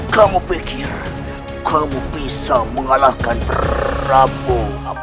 kau pikir kamu bisa mengalahkan rabu